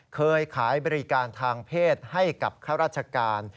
เคยขายบริการทางเพศให้กับข้าราชการ